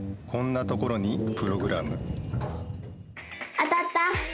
当たった！